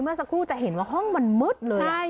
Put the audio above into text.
เมื่อสักครู่จะเห็นว่าห้องมันมืดเลย